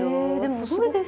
すごいですよね。